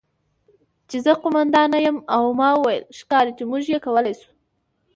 چې زه قوماندانه یم او ما وویل: 'ښکاري چې موږ یې کولی شو'.